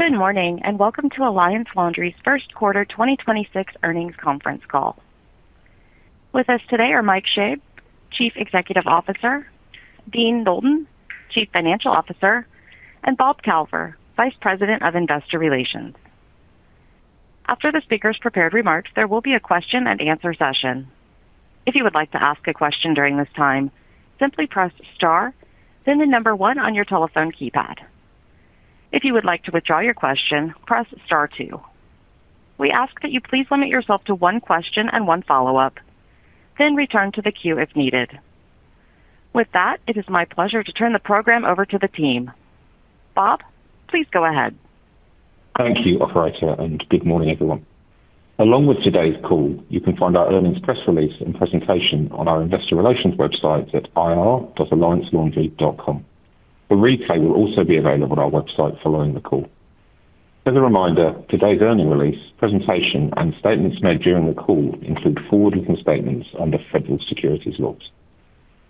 Good morning. Welcome to Alliance Laundry's first quarter 2026 earnings conference call. With us today are Michael Schoeb, Chief Executive Officer, Dean Nolden, Chief Financial Officer, and Bob Calver, Vice President of Investor Relations. After the speakers' prepared remarks, there will be a question and answer session. If you would like to ask a question during this time, simply press star, then one on your telephone keypad. If you would like to withdraw your question, press star two. We ask that you please limit yourself to one question and one follow-up, then return to the queue if needed. With that, it is my pleasure to turn the program over to the team. Bob, please go ahead. Thank you, operator, and good morning, everyone. Along with today's call, you can find our earnings press release and presentation on our investor relations website at ir.alliancelaundry.com. The replay will also be available on our website following the call. As a reminder, today's earnings release, presentation, and statements made during the call include forward-looking statements under federal securities laws.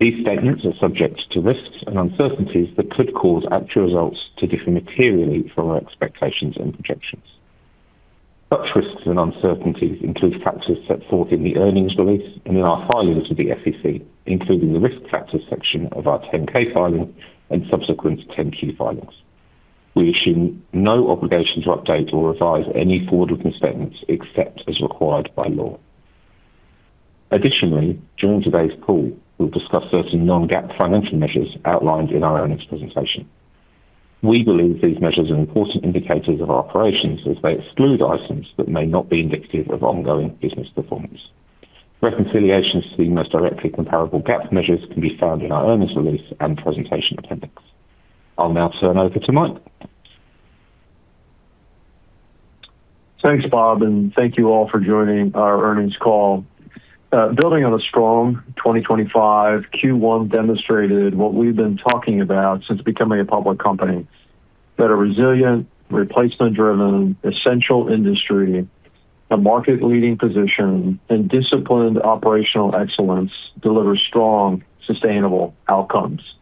These statements are subject to risks and uncertainties that could cause actual results to differ materially from our expectations and projections. Such risks and uncertainties include factors set forth in the earnings release and in our filings with the SEC, including the Risk Factors section of our Form 10-K filing and subsequent Form 10-Q filings. We assume no obligation to update or revise any forward-looking statements except as required by law. Additionally, during today's call, we'll discuss certain non-GAAP financial measures outlined in our earnings presentation. We believe these measures are important indicators of our operations as they exclude items that may not be indicative of ongoing business performance. Reconciliations to the most directly comparable GAAP measures can be found in our earnings release and presentation appendix. I'll now turn over to Mike. Thanks, Bob Calver, thank you all for joining our earnings call. Building on a strong 2025, Q1 demonstrated what we've been talking about since becoming a public company that a resilient, replacement driven, essential industry, a market-leading position and disciplined operational excellence delivers strong, sustainable outcomes.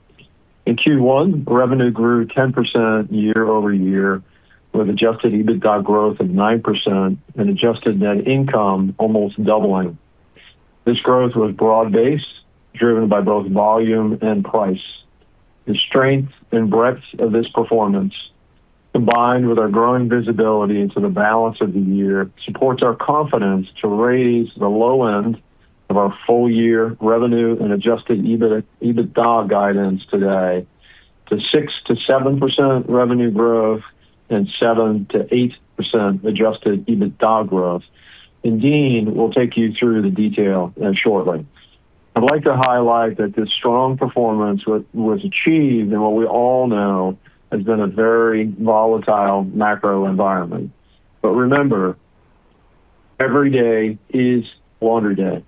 In Q1, revenue grew 10% year-over-year with adjusted EBITDA growth of 9%, adjusted net income almost doubling. This growth was broad-based, driven by both volume and price. The strength and breadth of this performance, combined with our growing visibility into the balance of the year, supports our confidence to raise the low end of our full year revenue and adjusted EBITDA guidance today to 6%-7% revenue growth and 7%-8% adjusted EBITDA growth. Dean will take you through the detail shortly. I'd like to highlight that this strong performance was achieved in what we all know has been a very volatile macro environment. Remember, every day is laundry day.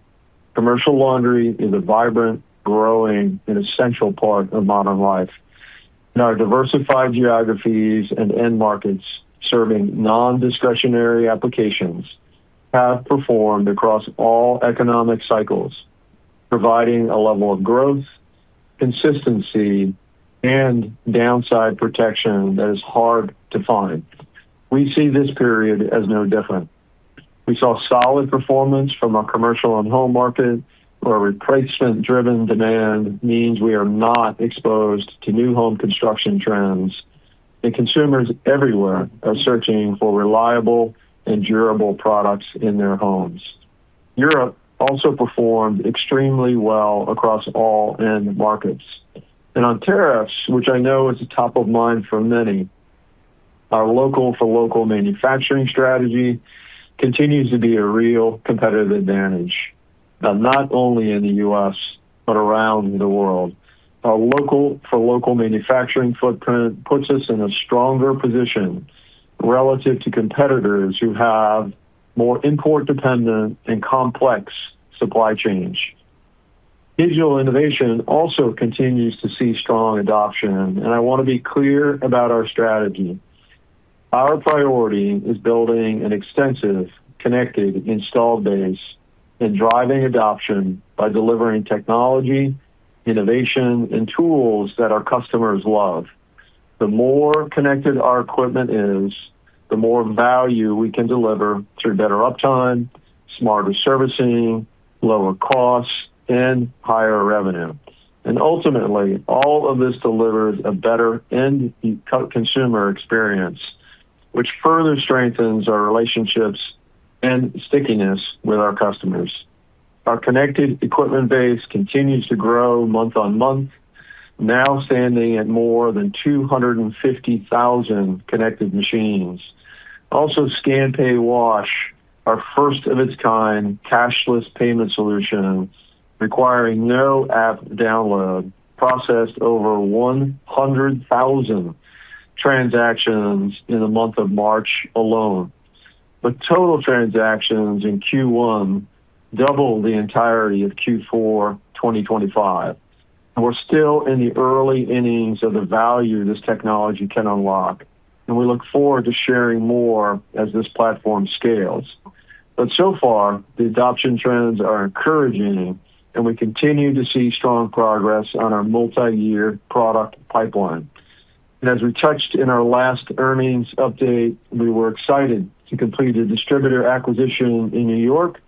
Commercial laundry is a vibrant, growing and essential part of modern life. Our diversified geographies and end markets, serving non-discretionary applications, have performed across all economic cycles, providing a level of growth, consistency and downside protection that is hard to find. We see this period as no different. We saw solid performance from our commercial and home market, where replacement driven demand means we are not exposed to new home construction trends, and consumers everywhere are searching for reliable and durable products in their homes. Europe also performed extremely well across all end markets. On tariffs, which I know is top of mind for many, our local for local manufacturing strategy continues to be a real competitive advantage, not only in the U.S., but around the world. Our local for local manufacturing footprint puts us in a stronger position relative to competitors who have more import dependent and complex supply chains. Digital innovation also continues to see strong adoption, I wanna be clear about our strategy. Our priority is building an extensive connected installed base and driving adoption by delivering technology, innovation and tools that our customers love. The more connected our equipment is, the more value we can deliver through better uptime, smarter servicing, lower costs and higher revenue. Ultimately, all of this delivers a better end consumer experience, which further strengthens our relationships and stickiness with our customers. Our connected equipment base continues to grow month-on-month, now standing at more than 250,000 connected machines. Scan-Pay-Wash, our first of its kind cashless payment solution requiring no app download, processed over 100,000 transactions in the month of March alone, but total transactions in Q1 double the entirety of Q4 2025. We're still in the early innings of the value this technology can unlock, and we look forward to sharing more as this platform scales. So far, the adoption trends are encouraging, and we continue to see strong progress on our multi-year product pipeline. As we touched in our last earnings update, we were excited to complete a distributor acquisition in New York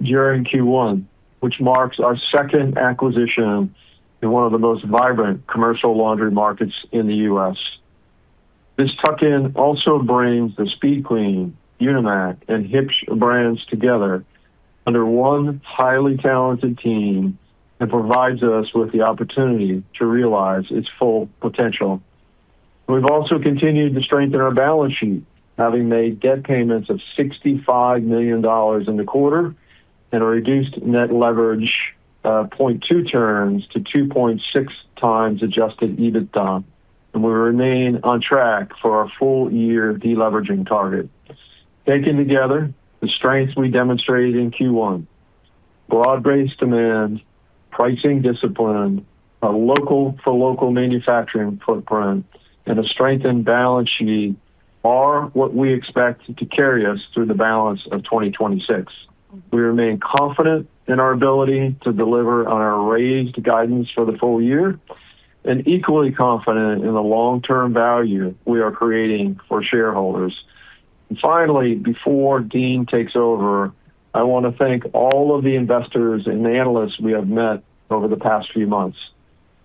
during Q1, which marks our second acquisition in one of the most vibrant commercial laundry markets in the U.S. This tuck-in also brings the Speed Queen, UniMac, and Huebsch brands together under one highly talented team and provides us with the opportunity to realize its full potential. We've also continued to strengthen our balance sheet, having made debt payments of $65 million in the quarter and a reduced net leverage of 0.2 turns to 2.6x adjusted EBITDA, and we remain on track for our full-year deleveraging target. Taken together, the strengths we demonstrated in Q1, broad-based demand, pricing discipline, a local-for-local manufacturing footprint, and a strengthened balance sheet are what we expect to carry us through the balance of 2026. We remain confident in our ability to deliver on our raised guidance for the full year and equally confident in the long-term value we are creating for shareholders. Finally, before Dean takes over, I wanna thank all of the investors and analysts we have met over the past few months.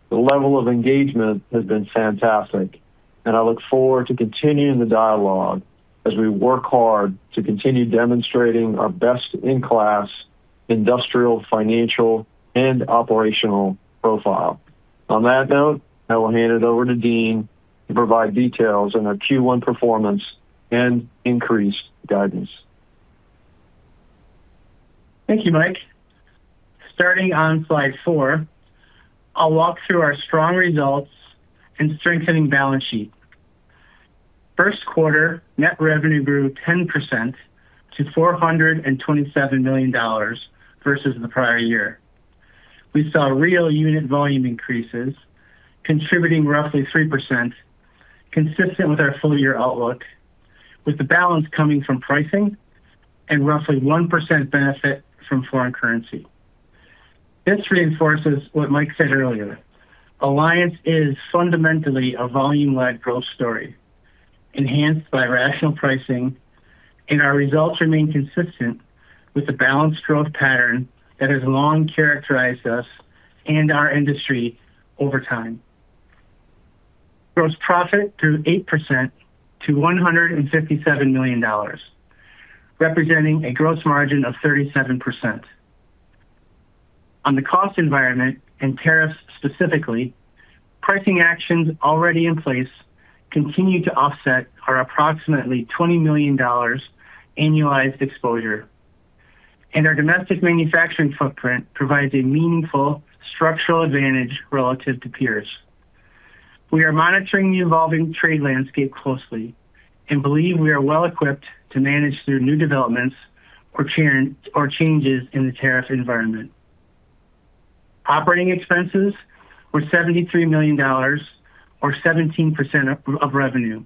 The level of engagement has been fantastic, and I look forward to continuing the dialogue as we work hard to continue demonstrating our best-in-class industrial, financial, and operational profile. On that note, I will hand it over to Dean to provide details on our Q1 performance and increased guidance. Thank you, Mike. Starting on slide 4, I'll walk through our strong results and strengthening balance sheet. First quarter net revenue grew 10% to $427 million versus the prior year. We saw real unit volume increases contributing roughly 3%, consistent with our full-year outlook, with the balance coming from pricing and roughly 1% benefit from foreign currency. This reinforces what Mike said earlier. Alliance is fundamentally a volume-led growth story enhanced by rational pricing, and our results remain consistent with the balanced growth pattern that has long characterized us and our industry over time. Gross profit grew 8% to $157 million, representing a gross margin of 37%. On the cost environment and tariffs specifically, pricing actions already in place continue to offset our approximately $20 million annualized exposure. Our domestic manufacturing footprint provides a meaningful structural advantage relative to peers. We are monitoring the evolving trade landscape closely. We believe we are well-equipped to manage through new developments or changes in the tariff environment. Operating expenses were $73 million or 17% of revenue,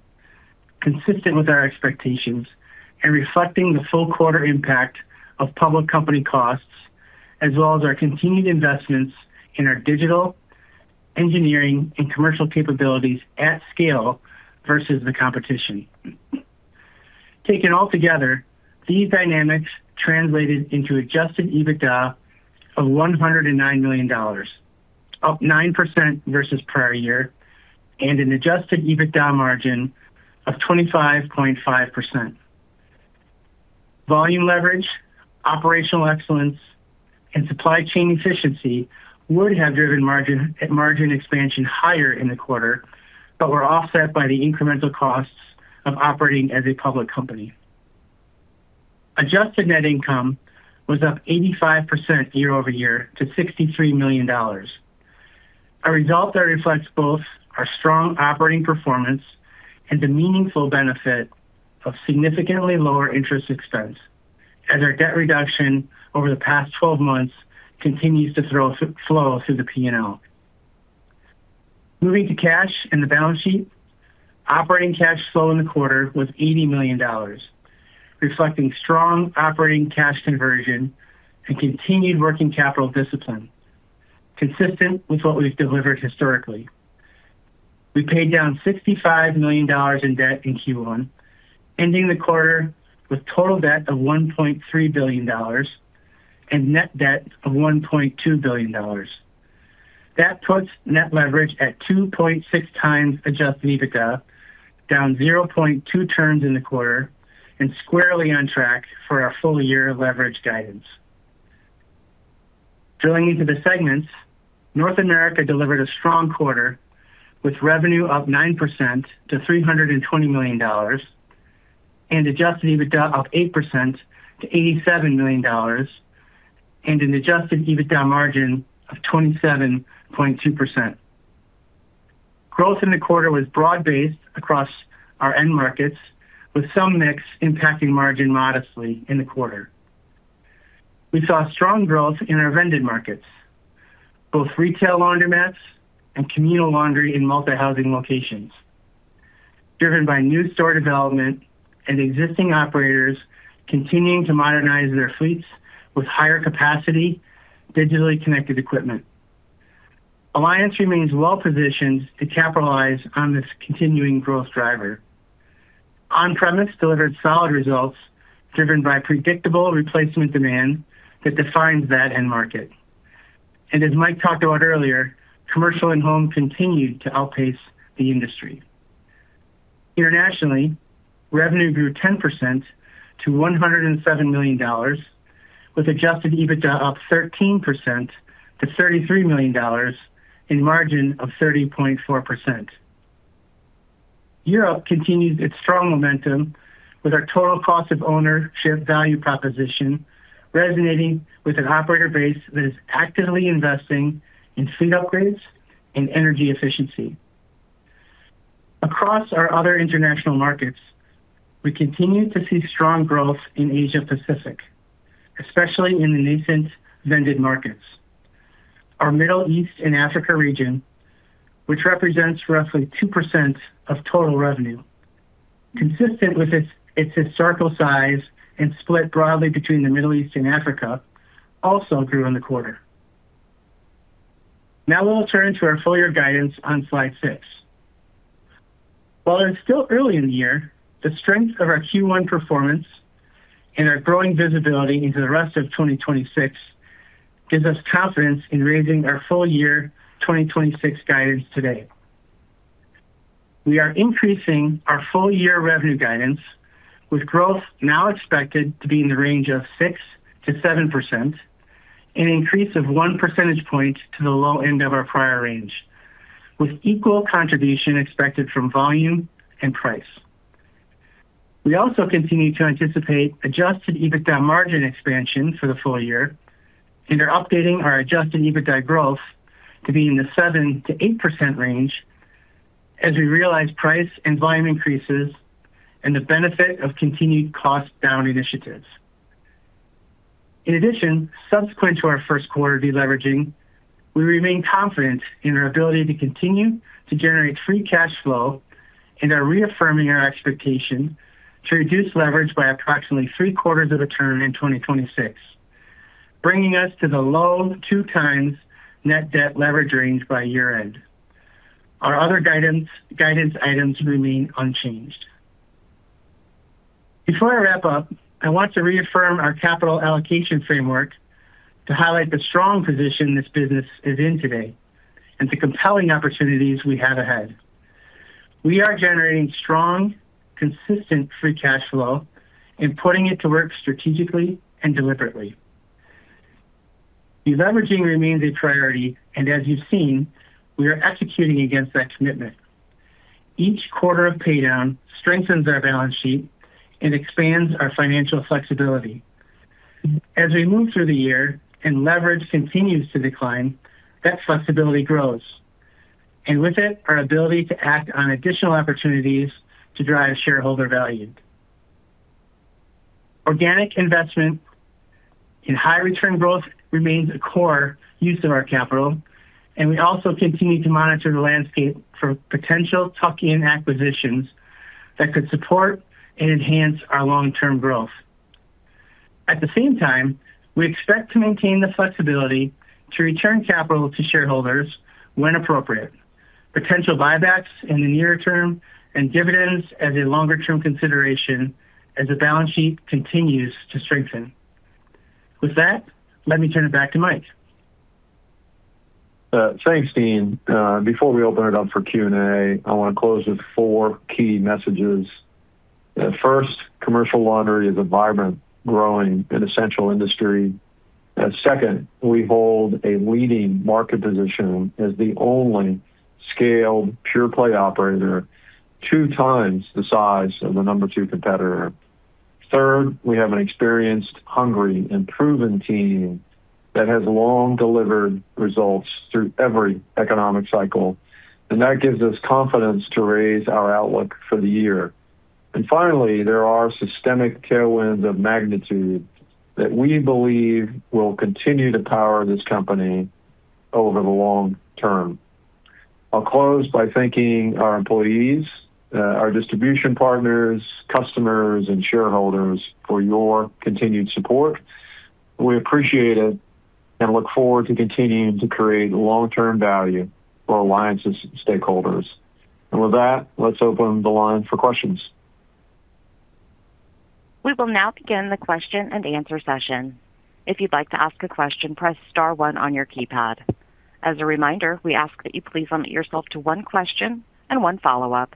consistent with our expectations reflecting the full quarter impact of public company costs as well as our continued investments in our digital engineering and commercial capabilities at scale versus the competition. Taken altogether, these dynamics translated into adjusted EBITDA of $109 million, up 9% versus prior year, an adjusted EBITDA margin of 25.5%. Volume leverage, operational excellence, and supply chain efficiency would have driven margin expansion higher in the quarter but were offset by the incremental costs of operating as a public company. Adjusted net income was up 85% year-over-year to $63 million, a result that reflects both our strong operating performance and the meaningful benefit of significantly lower interest expense as our debt reduction over the past 12 months continues to flow through the P&L. Moving to cash and the balance sheet, operating cash flow in the quarter was $80 million, reflecting strong operating cash conversion and continued working capital discipline consistent with what we've delivered historically. We paid down $65 million in debt in Q1, ending the quarter with total debt of $1.3 billion and net debt of $1.2 billion. That puts net leverage at 2.6x adjusted EBITDA, down 0.2 turns in the quarter, squarely on track for our full-year leverage guidance. Drilling into the segments, North America delivered a strong quarter with revenue up 9% to $320 million and adjusted EBITDA up 8% to $87 million and an adjusted EBITDA margin of 27.2%. Growth in the quarter was broad-based across our end markets with some mix impacting margin modestly in the quarter. We saw strong growth in our vended markets, both retail laundromats and communal laundry in multi-housing locations, driven by new store development and existing operators continuing to modernize their fleets with higher capacity, digitally connected equipment. Alliance remains well-positioned to capitalize on this continuing growth driver. On-premise delivered solid results driven by predictable replacement demand that defines that end market. As Mike Schoeb talked about earlier, commercial and home continued to outpace the industry. Internationally, revenue grew 10% to $107 million, with adjusted EBITDA up 13% to $33 million in margin of 30.4%. Europe continues its strong momentum with our total cost of ownership value proposition resonating with an operator base that is actively investing in fleet upgrades and energy efficiency. Across our other international markets, we continue to see strong growth in Asia-Pacific, especially in the nascent vended markets. Our Middle East and Africa region, which represents roughly 2% of total revenue, consistent with its historical size and split broadly between the Middle East and Africa, also grew in the quarter. We'll turn to our full year guidance on slide 6. While it's still early in the year, the strength of our Q1 performance and our growing visibility into the rest of 2026 gives us confidence in raising our full year 2026 guidance today. We are increasing our full year revenue guidance, with growth now expected to be in the range of 6%-7%, an increase of 1 percentage point to the low end of our prior range, with equal contribution expected from volume and price. We also continue to anticipate adjusted EBITDA margin expansion for the full year and are updating our adjusted EBITDA growth to be in the 7%-8% range as we realize price and volume increases and the benefit of continued cost down initiatives. In addition, subsequent to our first quarter deleveraging, we remain confident in our ability to continue to generate free cash flow and are reaffirming our expectation to reduce leverage by approximately three-quarters of the term in 2026, bringing us to the low two times net debt leverage range by year-end. Our other guidance items remain unchanged. Before I wrap up, I want to reaffirm our capital allocation framework to highlight the strong position this business is in today and the compelling opportunities we have ahead. We are generating strong, consistent free cash flow and putting it to work strategically and deliberately. Deleveraging remains a priority, and as you've seen, we are executing against that commitment. Each quarter of paydown strengthens our balance sheet and expands our financial flexibility. As we move through the year and leverage continues to decline, that flexibility grows, and with it, our ability to act on additional opportunities to drive shareholder value. Organic investment in high return growth remains a core use of our capital, and we also continue to monitor the landscape for potential tuck-in acquisitions that could support and enhance our long-term growth. At the same time, we expect to maintain the flexibility to return capital to shareholders when appropriate. Potential buybacks in the near term and dividends as a longer-term consideration as the balance sheet continues to strengthen. With that, let me turn it back to Mike. Thanks, Dean. Before we open it up for Q&A, I want to close with four key messages. First, commercial laundry is a vibrant, growing, and essential industry. Second, we hold a leading market position as the only scaled pure-play operator, two times the size of the number two competitor. Third, we have an experienced, hungry, and proven team that has long delivered results through every economic cycle, that gives us confidence to raise our outlook for the year. Finally, there are systemic tailwinds of magnitude that we believe will continue to power this company over the long term. I'll close by thanking our employees, our distribution partners, customers, and shareholders for your continued support. We appreciate it and look forward to continuing to create long-term value for Alliance's stakeholders. With that, let's open the line for questions. We will now begin the question and answer session. If you'd like to ask a question, press star 1 on your keypad. As a reminder, we ask that you please limit yourself to 1 question and 1 follow-up,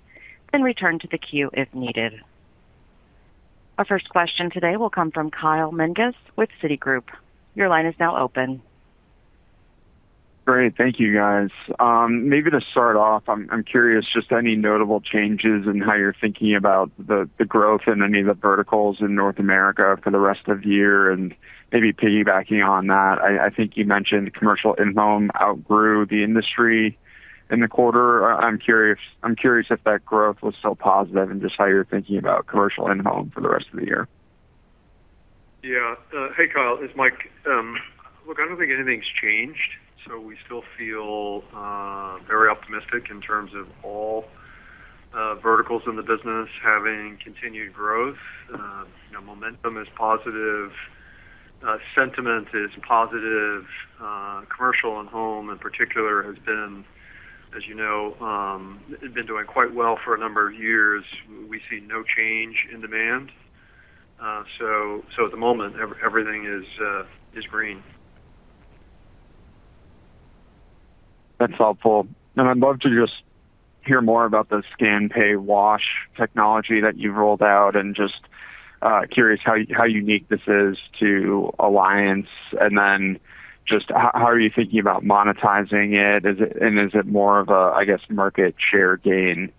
then return to the queue if needed. Our first question today will come from Kyle Menges with Citigroup. Your line is now open. Great. Thank you, guys. Maybe to start off, I'm curious just any notable changes in how you're thinking about the growth in any of the verticals in North America for the rest of the year. Maybe piggybacking on that, I think you mentioned commercial and home outgrew the industry in the quarter. I'm curious if that growth was still positive and just how you're thinking about commercial and home for the rest of the year. Yeah. Hey, Kyle, it's Mike. Look, I don't think anything's changed, we still feel very optimistic in terms of all verticals in the business having continued growth. You know, momentum is positive. Sentiment is positive. commercial and home in particular has been, as you know, been doing quite well for a number of years. We see no change in demand. At the moment, everything is green. That's helpful. I'd love to just hear more about the Scan-Pay-Wash technology that you've rolled out, and just, curious how unique this is to Alliance. Then just how are you thinking about monetizing it? Is it more of a, I guess, market share gain,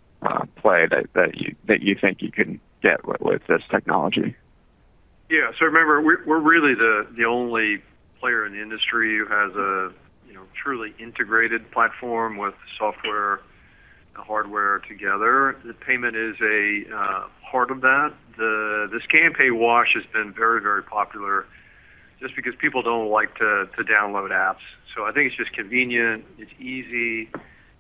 play that you think you can get with this technology? Yeah. Remember, we're really the only 1 player in the industry who has a, you know, truly integrated platform with software and hardware together. The payment is a part of that. The Scan-Pay-Wash has been very popular just because people don't like to download apps. I think it's just convenient, it's easy,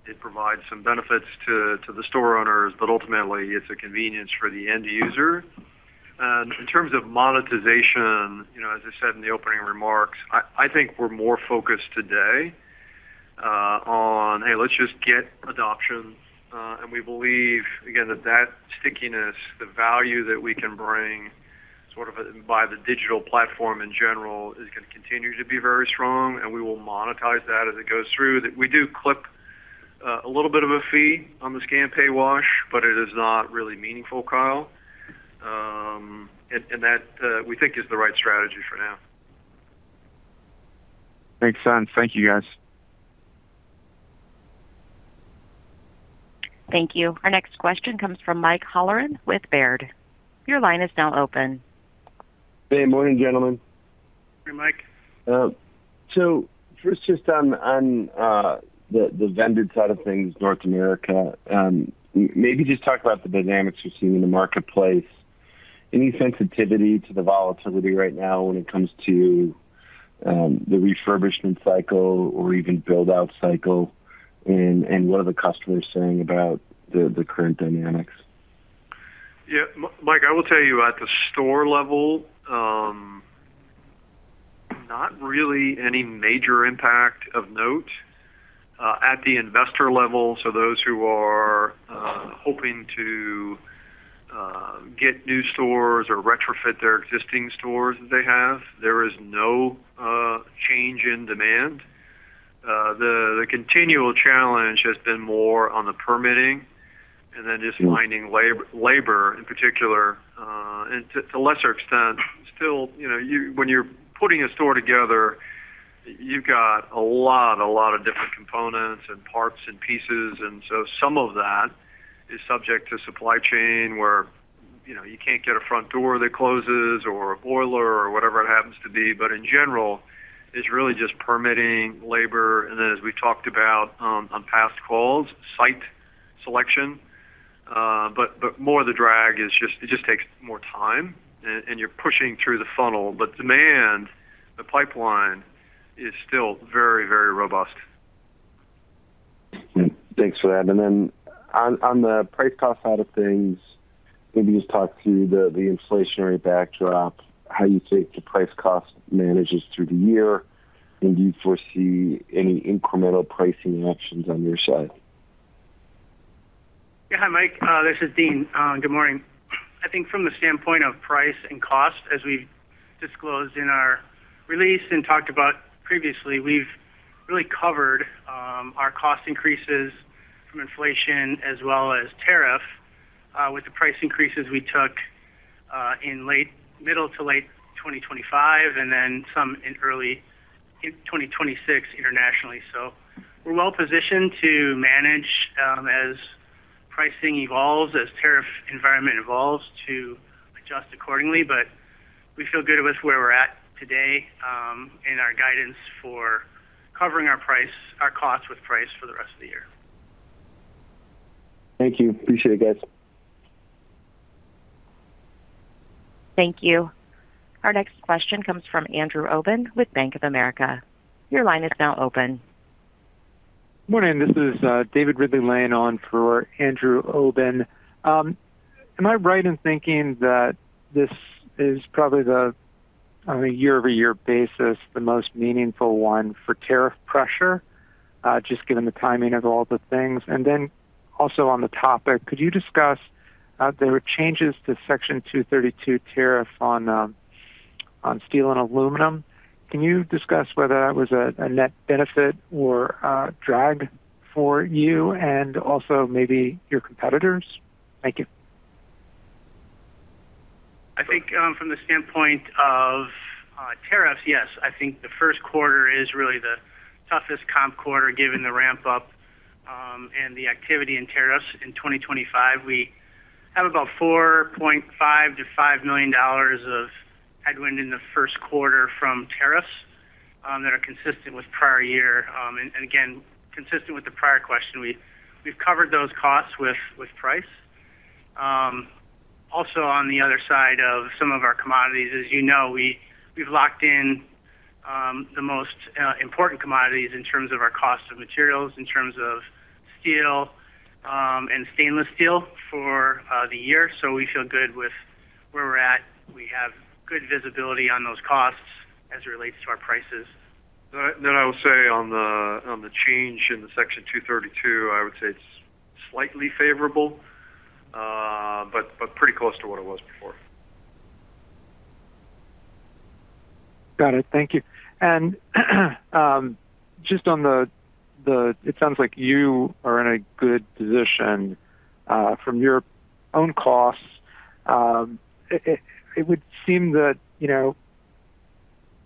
it provides some benefits to the store owners, but ultimately it's a convenience for the end user. In terms of monetization, you know, as I said in the opening remarks, I think we're more focused today on, hey, let's just get adoption. We believe, again, that stickiness, the value that we can bring sort of by the digital platform in general is gonna continue to be very strong. We will monetize that as it goes through. We do clip, a little bit of a fee on the Scan-Pay-Wash, but it is not really meaningful, Kyle. That we think is the right strategy for now. Makes sense. Thank you, guys. Thank you. Our next question comes from Michael Halloran with Baird. Your line is now open. Hey, morning, gentlemen. Hey, Mike. So first just on the vended side of things, North America, maybe just talk about the dynamics you're seeing in the marketplace. Any sensitivity to the volatility right now when it comes to the refurbishment cycle or even build-out cycle? What are the customers saying about the current dynamics? Yeah. Mike, I will tell you at the store level, not really any major impact of note. At the investor level, so those who are hoping to get new stores or retrofit their existing stores that they have, there is no change in demand. The continual challenge has been more on the permitting and then just finding labor in particular. And to a lesser extent, still, you know, when you're putting a store together, you've got a lot of different components and parts and pieces, and so some of that is subject to supply chain where, you know, you can't get a front door that closes or a boiler or whatever it happens to be. In general, it's really just permitting, labor, and then as we've talked about on past calls, site selection. But more the drag is just it just takes more time and you're pushing through the funnel. Demand, the pipeline is still very robust. Thanks for that. On the price cost side of things, maybe just talk through the inflationary backdrop, how you think the price cost manages through the year, do you foresee any incremental pricing actions on your side? Yeah. Hi, Mike. This is Dean. Good morning. I think from the standpoint of price and cost, as we've disclosed in our release and talked about previously, we've really covered our cost increases from inflation as well as tariff with the price increases we took in middle to late 2025 and then some in early 2026 internationally. We're well positioned to manage as pricing evolves, as tariff environment evolves, to adjust accordingly. We feel good with where we're at today in our guidance for covering our costs with price for the rest of the year. Thank you. Appreciate it, guys. Thank you. Our next question comes from Andrew Obin with Bank of America. Your line is now open. Morning. This is David Ridley-Lane on for Andrew Obin. Am I right in thinking that this is probably the, on a year-over-year basis, the most meaningful one for tariff pressure, just given the timing of all the things? Also on the topic, could you discuss, there were changes to Section 232 tariff on steel and aluminum. Can you discuss whether that was a net benefit or a drag for you and also maybe your competitors? Thank you. I think, from the standpoint of tariffs, yes. I think the first quarter is really the toughest comp quarter given the ramp-up and the activity in tariffs in 2025. We have about $4.5 million-$5 million of headwind in the first quarter from tariffs that are consistent with prior year. Again, consistent with the prior question, we've covered those costs with price. Also on the other side of some of our commodities, as you know, we've locked in the most important commodities in terms of our cost of materials, in terms of steel and stainless steel for the year. We feel good with where we're at. We have good visibility on those costs as it relates to our prices. I will say on the change in the Section 232, I would say it's slightly favorable, but pretty close to what it was before. Got it. Thank you. Just on the, it sounds like you are in a good position from your own costs. It would seem that, you know,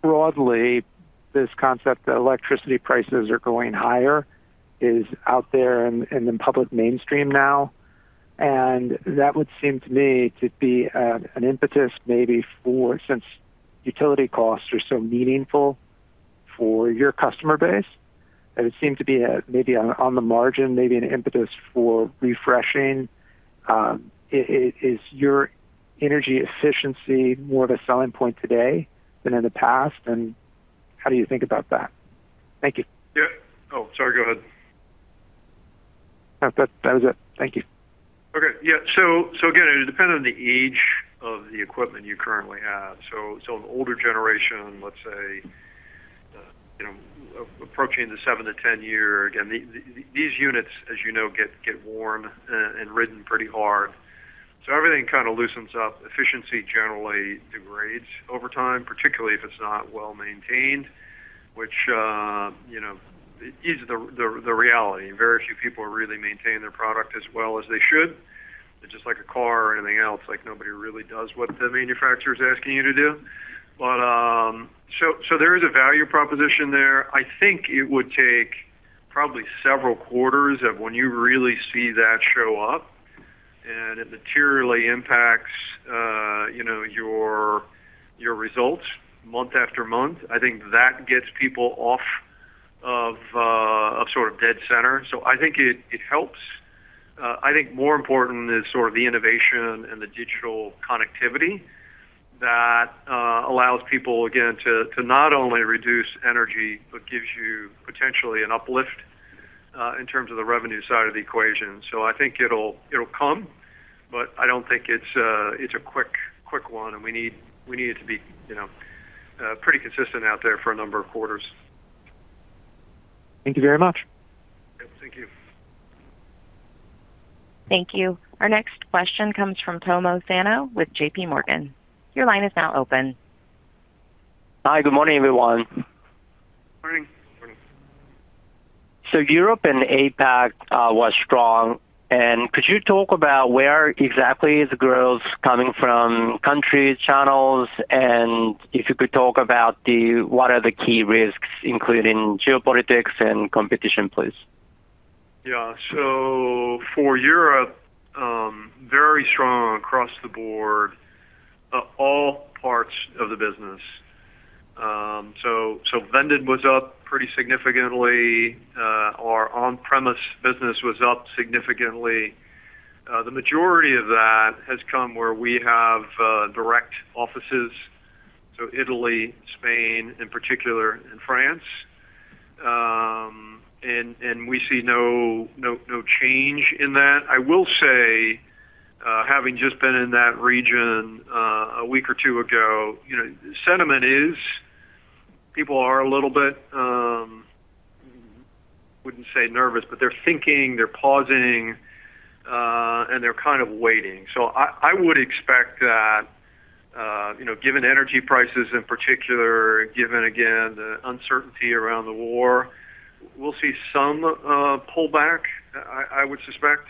broadly this concept that electricity prices are going higher is out there in the public mainstream now. That would seem to me to be an impetus maybe since utility costs are so meaningful for your customer base, that it seems to be on the margin, maybe an impetus for refreshing. Is your energy efficiency more of a selling point today than in the past, and how do you think about that? Thank you. Yeah. Oh, sorry, go ahead. No, that was it. Thank you. Okay. Yeah. Again, it would depend on the age of the equipment you currently have. An older generation, let's say, you know, approaching the 7 to 10 year, again, these units, as you know, get worn and ridden pretty hard. Everything kind of loosens up. Efficiency generally degrades over time, particularly if it's not well-maintained, which, you know, is the reality. Very few people really maintain their product as well as they should. It's just like a car or anything else, like nobody really does what the manufacturer's asking you to do. There is a value proposition there. I think it would take probably several quarters of when you really see that show up, and it materially impacts, you know, your results month after month. I think that gets people off of sort of dead center. I think it helps. I think more important is sort of the innovation and the digital connectivity that allows people, again, to not only reduce energy, but gives you potentially an uplift in terms of the revenue side of the equation. I think it'll come, but I don't think it's a quick one, and we need, we need it to be, you know, pretty consistent out there for a number of quarters. Thank you very much. Yep. Thank you. Thank you. Our next question comes from Tomohiko Sano with JPMorgan. Your line is now open. Hi. Good morning, everyone. Morning. Morning. Europe and APAC was strong, and could you talk about where exactly is the growth coming from countries, channels, and if you could talk about what are the key risks, including geopolitics and competition, please? For Europe, very strong across the board, all parts of the business. Vended was up pretty significantly. Our on-premise business was up significantly. The majority of that has come where we have direct offices, so Italy, Spain in particular, and France. We see no change in that. I will say, having just been in that region a week or two ago, you know, sentiment is people are a little bit, wouldn't say nervous, but they're thinking, they're pausing, and they're kind of waiting. I would expect that, you know, given energy prices in particular, given again, the uncertainty around the war, we'll see some pullback, I would suspect.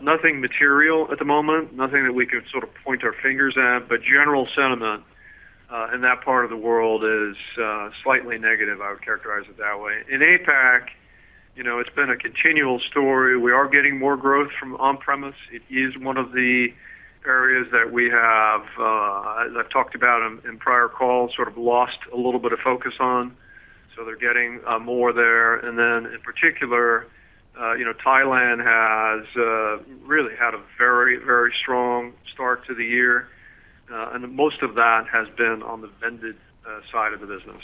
Nothing material at the moment, nothing that we could sort of point our fingers at, General sentiment in that part of the world is slightly negative. I would characterize it that way. In APAC, you know, it's been a continual story. We are getting more growth from on-premise. It is one of the areas that we have, as I've talked about in prior calls, sort of lost a little bit of focus on. They're getting more there. In particular, you know, Thailand has really had a very, very strong start to the year, and most of that has been on the vended side of the business.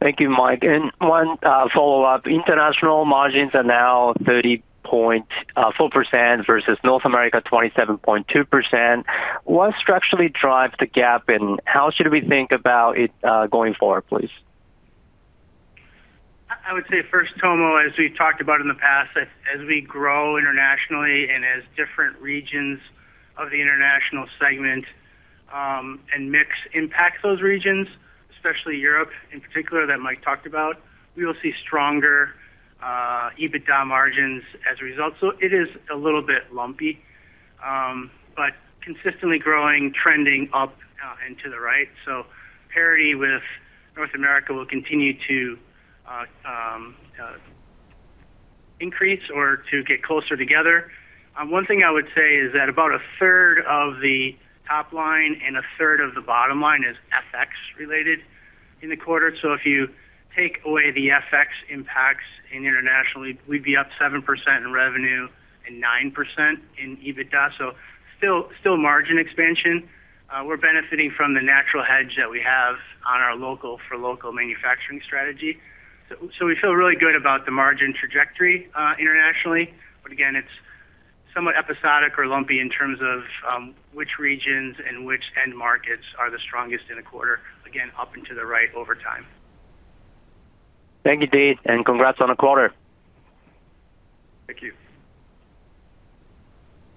Thank you, Mike. One follow-up. International margins are now 30.4% versus North America, 27.2%. What structurally drives the gap, and how should we think about it going forward, please? I would say first, Tomo, as we've talked about in the past, as we grow internationally and as different regions of the international segment, and mix impact those regions, especially Europe in particular that Mike talked about, we will see stronger EBITDA margins as a result. It is a little bit lumpy, but consistently growing, trending up and to the right. Parity with North America will continue to Increase or to get closer together. One thing I would say is that about a third of the top line and a third of the bottom line is FX related in the quarter. If you take away the FX impacts in internationally, we'd be up 7% in revenue and 9% in EBITDA. Still margin expansion. We're benefiting from the natural hedge that we have on our local for local manufacturing strategy. We feel really good about the margin trajectory internationally. Again, it's somewhat episodic or lumpy in terms of which regions and which end markets are the strongest in a quarter. Again, up into the right over time. Thank you, Dean, and congrats on the quarter. Thank you.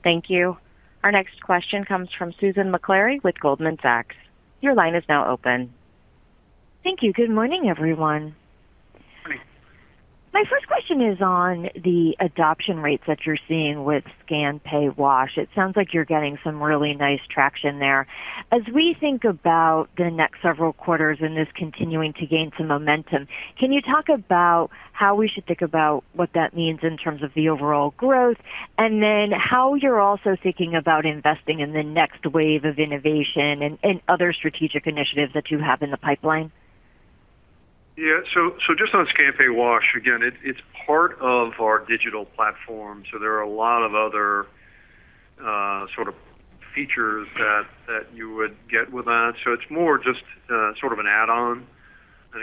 Thank you. Our next question comes from Susan Maklari with Goldman Sachs. Your line is now open. Thank you. Good morning, everyone. Morning. My first question is on the adoption rates that you're seeing with Scan-Pay-Wash. It sounds like you're getting some really nice traction there. As we think about the next several quarters and this continuing to gain some momentum, can you talk about how we should think about what that means in terms of the overall growth? How you're also thinking about investing in the next wave of innovation and other strategic initiatives that you have in the pipeline. Yeah. Just on Scan-Pay-Wash, again, it's part of our digital platform, there are a lot of other sort of features that you would get with that.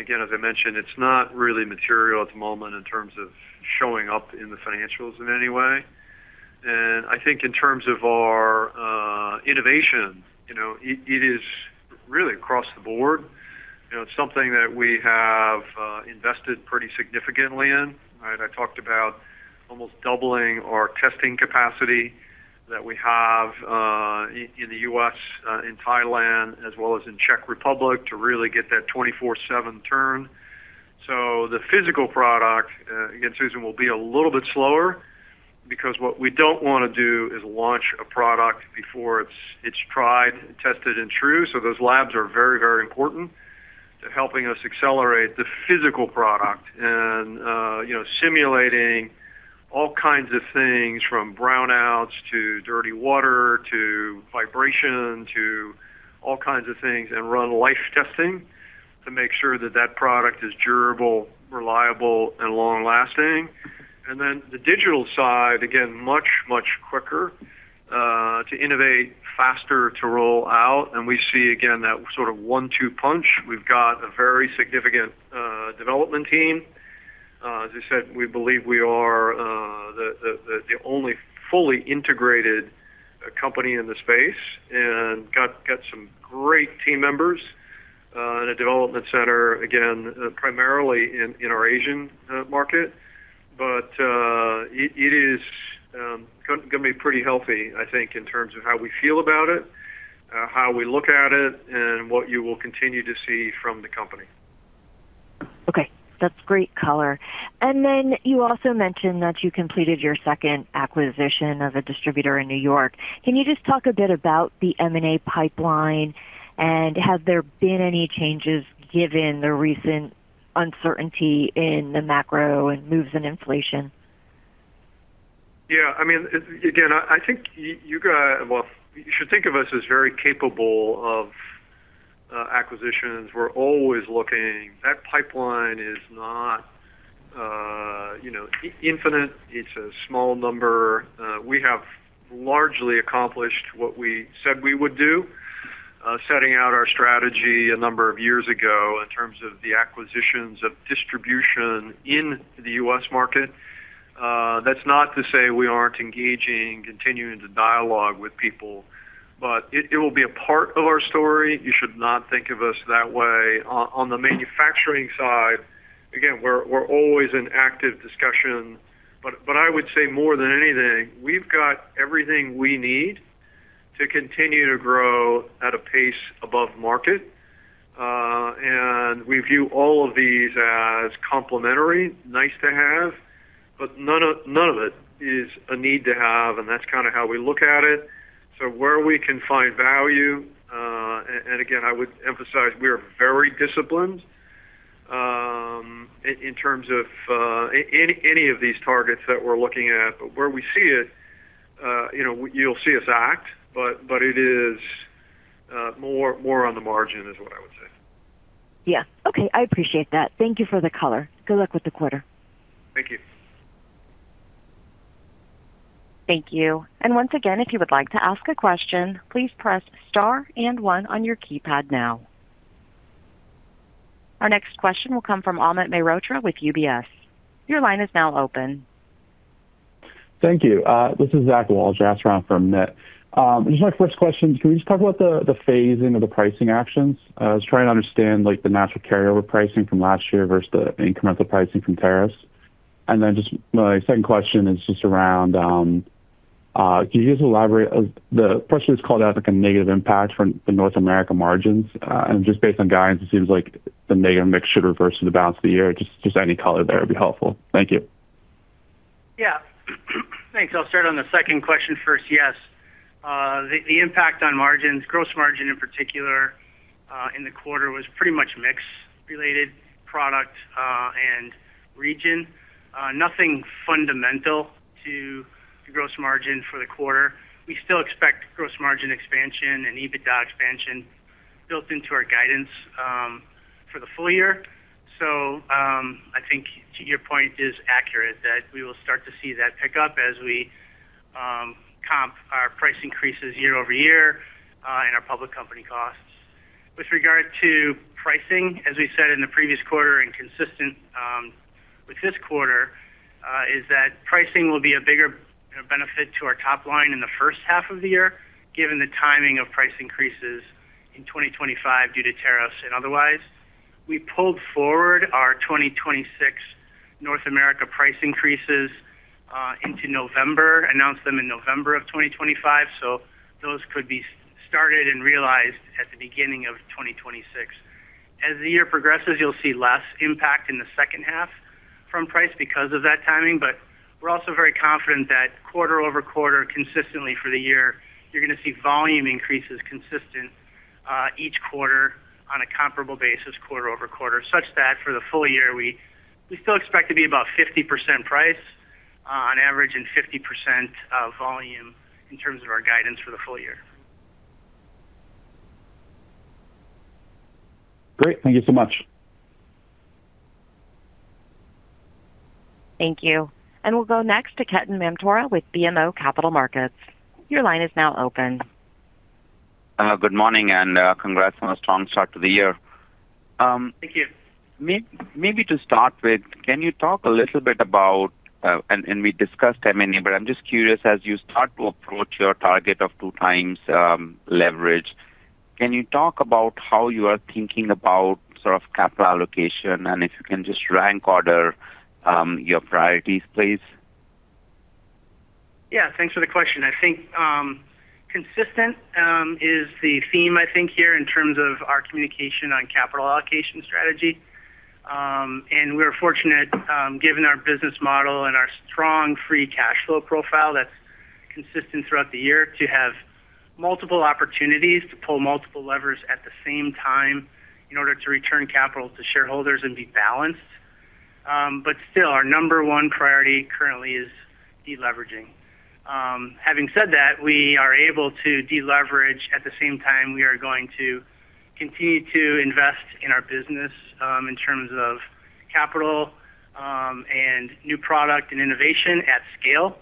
Again, as I mentioned, it's not really material at the moment in terms of showing up in the financials in any way. I think in terms of our innovation, you know, it is really across the board. You know, it's something that we have invested pretty significantly in, right? I talked about almost doubling our testing capacity that we have in the U.S., in Thailand, as well as in Czech Republic to really get that 24/7 turn. The physical product, again, Susan, will be a little bit slower because what we don't wanna do is launch a product before it's tried and tested and true. Those labs are very, very important to helping us accelerate the physical product and, you know, simulating all kinds of things from brownouts to dirty water to vibration to all kinds of things and run life testing to make sure that product is durable, reliable, and long-lasting. The digital side, again, much, much quicker to innovate faster to roll out. We see again, that sort of one-two punch. We've got a very significant development team. As I said, we believe we are the only fully integrated company in the space and got some great team members in a development center, again, primarily in our Asian market. It is gonna be pretty healthy, I think, in terms of how we feel about it, how we look at it, and what you will continue to see from the company. Okay. That's great color. You also mentioned that you completed your second acquisition of a distributor in New York. Can you just talk a bit about the M&A pipeline? Has there been any changes given the recent uncertainty in the macro and moves in inflation? Yeah. I mean, again, I think you should think of us as very capable of acquisitions. We're always looking. That pipeline is not, you know, infinite. It's a small number. We have largely accomplished what we said we would do, setting out our strategy a number of years ago in terms of the acquisitions of distribution in the U.S. market. That's not to say we aren't engaging, continuing to dialogue with people, but it will be a part of our story. You should not think of us that way. On the manufacturing side, again, we're always in active discussion. I would say more than anything, we've got everything we need to continue to grow at a pace above market. We view all of these as complementary, nice to have, but none of it is a need to have, and that's kind of how we look at it. Where we can find value, again, I would emphasize we are very disciplined, in terms of, any of these targets that we're looking at. Where we see it, you know, you'll see us act, but it is, more on the margin is what I would say. Yeah. Okay. I appreciate that. Thank you for the color. Good luck with the quarter. Thank you. Thank you. Once again, if you would like to ask a question, please press star and one on your keypad now. Our next question will come from Amit Mehrotra with UBS. Thank you. This is Zach Fadem, on for Amit. Just my first question, can we just talk about the phasing of the pricing actions? I was trying to understand, like, the natural carryover pricing from last year versus the incremental pricing from tariffs. Just my second question is just around, can you just elaborate? The question is called out, like, a negative impact from the North America margins. Just based on guidance, it seems like the negative mix should reverse in the balance of the year. Just any color there would be helpful. Thank you. Yeah. Thanks. I'll start on the second question first. The impact on margins, gross margin in particular, in the quarter was pretty much mix related product and region. Nothing fundamental to the gross margin for the quarter. We still expect gross margin expansion and EBITDA expansion built into our guidance for the full year. I think your point is accurate that we will start to see that pick up as we comp our price increases year-over-year in our public company costs. With regard to pricing, as we said in the previous quarter and consistent with this quarter, is that pricing will be a bigger benefit to our top line in the first half of the year, given the timing of price increases in 2025 due to tariffs and otherwise. We pulled forward our 2026 North America price increases into November, announced them in November of 2025, so those could be started and realized at the beginning of 2026. As the year progresses, you'll see less impact in the second half from price because of that timing, but we're also very confident that quarter-over-quarter consistently for the year, you're gonna see volume increases consistent each quarter on a comparable basis quarter-over-quarter, such that for the full year, we still expect to be about 50% price on average, and 50% volume in terms of our guidance for the full year. Great. Thank you so much. Thank you. We'll go next to Ketan Mamtora with BMO Capital Markets. Good morning, congrats on a strong start to the year. Thank you. Maybe to start with, can you talk a little bit about, and we discussed M&A, but I'm just curious, as you start to approach your target of two times leverage, can you talk about how you are thinking about sort of capital allocation, and if you can just rank order your priorities, please? Yeah. Thanks for the question. I think consistent is the theme, I think, here in terms of our communication on capital allocation strategy. We're fortunate, given our business model and our strong free cash flow profile that's consistent throughout the year to have multiple opportunities to pull multiple levers at the same time in order to return capital to shareholders and be balanced. Still our number one priority currently is deleveraging. Having said that, we are able to deleverage. At the same time, we are going to continue to invest in our business, in terms of capital, and new product and innovation at scale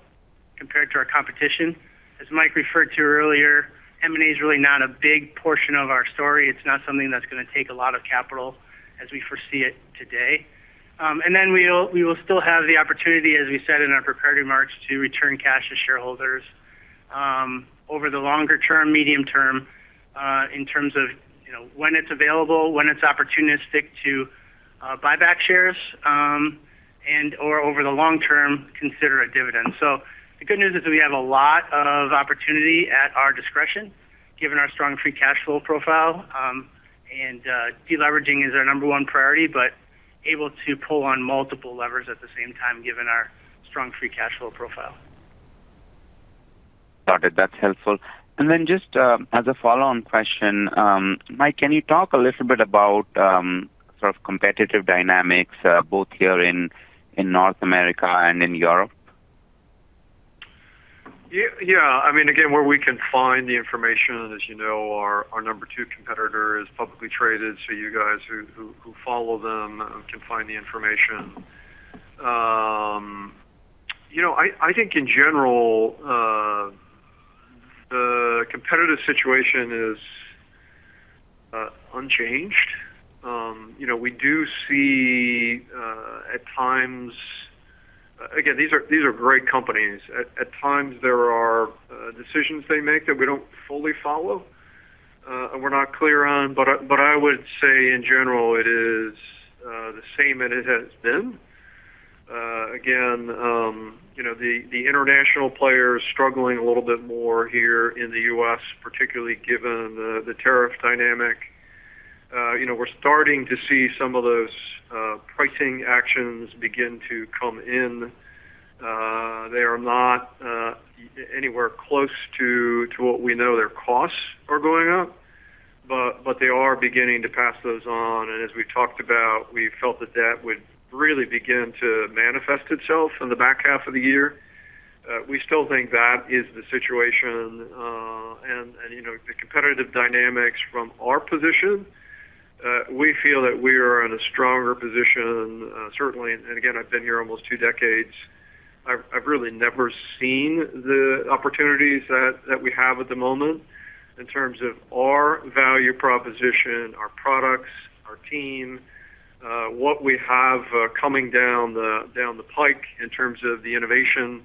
compared to our competition. As Mike referred to earlier, M&A is really not a big portion of our story. It's not something that's gonna take a lot of capital as we foresee it today. Then we will still have the opportunity, as we said in our prepared remarks, to return cash to shareholders over the longer term, medium term, in terms of, you know, when it's available, when it's opportunistic to buy back shares, and or over the long term, consider a dividend. The good news is we have a lot of opportunity at our discretion given our strong free cash flow profile. Deleveraging is our number one priority, but able to pull on multiple levers at the same time given our strong free cash flow profile. Got it. That's helpful. Then just, as a follow-on question, Mike, can you talk a little bit about, sort of competitive dynamics, both here in North America and in Europe? Yeah. I mean, again, where we can find the information, as you know, our number two competitor is publicly traded, so you guys who follow them can find the information. You know, I think in general, the competitive situation is unchanged. You know, we do see at times. Again, these are great companies. At times there are decisions they make that we don't fully follow, and we're not clear on. I would say in general it is the same that it has been. Again, you know, the international player is struggling a little bit more here in the U.S., particularly given the tariff dynamic. You know, we're starting to see some of those pricing actions begin to come in. They are not anywhere close to what we know their costs are going up, but they are beginning to pass those on. As we talked about, we felt that that would really begin to manifest itself in the back half of the year. We still think that is the situation. You know, the competitive dynamics from our position, we feel that we are in a stronger position, certainly. Again, I've been here almost two decades. I've really never seen the opportunities that we have at the moment in terms of our value proposition, our products, our team. What we have coming down the pike in terms of the innovation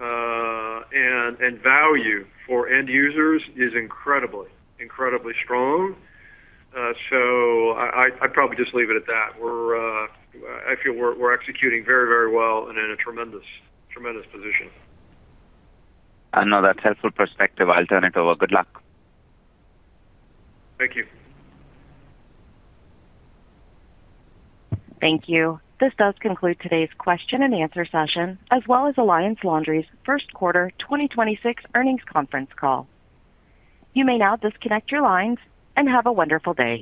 and value for end users is incredibly strong. I'd probably just leave it at that. I feel we're executing very well and in a tremendous position. I know that's helpful perspective. I'll turn it over. Good luck. Thank you. Thank you. This does conclude today's question and answer session, as well as Alliance Laundry's first quarter 2026 earnings conference call. You may now disconnect your lines, and have a wonderful day.